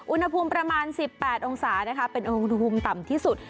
อุณหภูมิประมาณ๑๘องศานะคะเป็นอุณหภูมิต่ำที่สุด